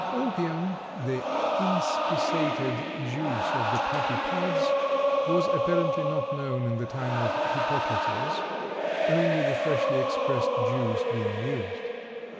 Opium, the inspissated juice of the poppy pods, was apparently not known in the time of Hippocrates, only the freshly expressed juice being used.